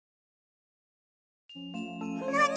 なに？